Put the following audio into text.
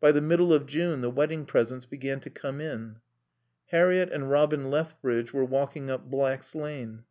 By the middle of June the wedding presents began to come in. Harriett and Robin Lethbridge were walking up Black's Lane.